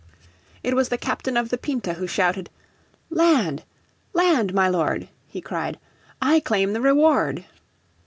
It was the captain of the Pinta who shouted. "Land, land, my lord!" he cried. "I claim the reward."